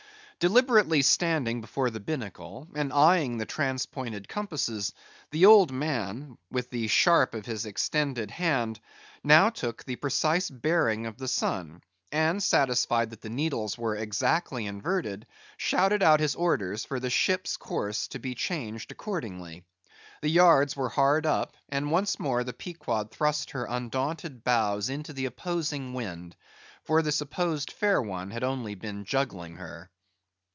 Deliberately standing before the binnacle, and eyeing the transpointed compasses, the old man, with the sharp of his extended hand, now took the precise bearing of the sun, and satisfied that the needles were exactly inverted, shouted out his orders for the ship's course to be changed accordingly. The yards were hard up; and once more the Pequod thrust her undaunted bows into the opposing wind, for the supposed fair one had only been juggling her.